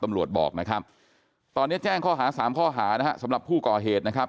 ตำรวจบอกนะครับตอนนี้แจ้งข้อหาสามข้อหานะฮะสำหรับผู้ก่อเหตุนะครับ